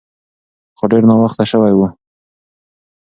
خو ډیر ناوخته شوی و.